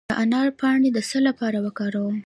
د انار پاڼې د څه لپاره وکاروم؟